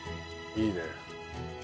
いいね。